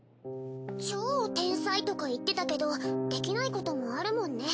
超天才とか言ってたけどできないこともあるもんね。